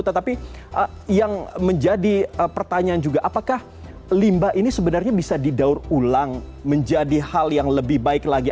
tetapi yang menjadi pertanyaan juga apakah limba ini sebenarnya bisa didaur ulang menjadi hal yang lebih baik lagi